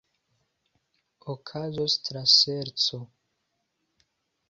Okazos traserĉo.